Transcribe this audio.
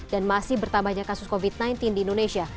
dan masih bertambahnya kasus covid sembilan belas di indonesia